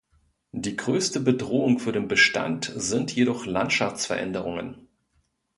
Die größte Bedrohung für den Bestand sind jedoch Landschaftsveränderungen.